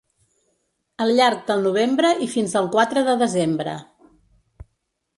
Al llarg del novembre i fins al quatre de desembre .